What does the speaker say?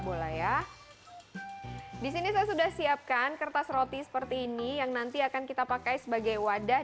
bola ya disini saya sudah siapkan kertas roti seperti ini yang nanti akan kita pakai sebagai wadah